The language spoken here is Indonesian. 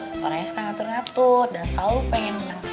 orangnya suka ngatur ngatur dan selalu pengen ngatur